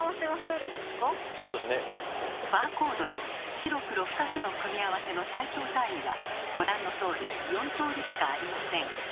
バーコードで白黒２つの組み合わせの最小単位はご覧のとおり４通りしかありません。